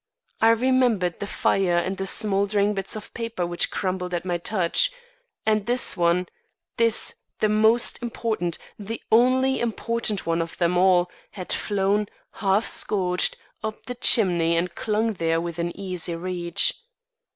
I remembered the fire and the smouldering bits of paper which crumbled at my touch. And this one, this, the most important the only important one of them all, had flown, half scorched, up the chimney and clung there within easy reach.